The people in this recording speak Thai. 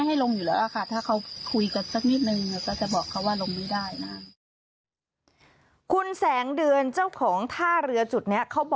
ฟังเสียงเจ้าของท่าเรือนหน่อยค่ะ